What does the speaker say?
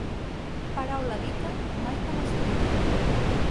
Paraula dita, mai com escrita.